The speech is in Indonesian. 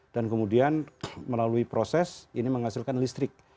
dan kemudian melalui proses ini menghasilkan listrik